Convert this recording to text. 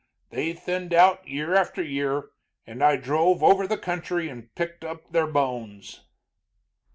They thinned out year after year, and I drove around over the country and picked up their bones.